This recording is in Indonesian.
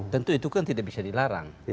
tentu itu kan tidak bisa dilarang